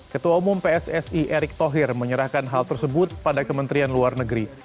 ketua umum pssi erick thohir menyerahkan hal tersebut pada kementerian luar negeri